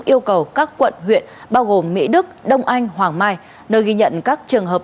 yêu cầu các quận huyện bao gồm mỹ đức đông anh hoàng mai nơi ghi nhận các trường hợp